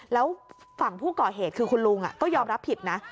แล้วฝั่งผู้ก่อเหตุคือคุณลุงก็ยอมรับผิดนะ